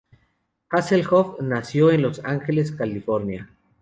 Hasselhoff nació en Los Ángeles, California.